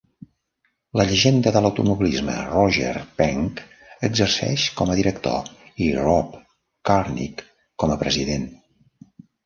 La llegenda de l'automobilisme Roger Penske exerceix com a director i Rob Kurnick com a president.